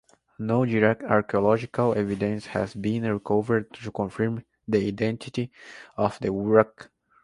No direct archaeological evidence has been recovered to confirm the identity of the wreck.